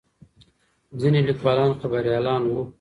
ځینې لیکوالان خبریالان وو.